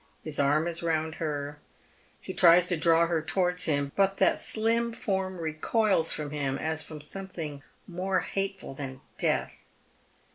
His arm is round her, he tries to draw her towards him, but that slim form recoils from him as from something more hateful than death.